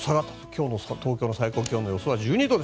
今日の東京の最高気温の予想は１２度。